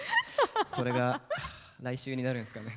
それが来週になるんですかね？